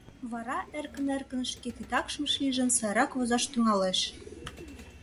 Вара эркын-эркын, шке титакшым шижын, сайрак возаш тӱҥалеш.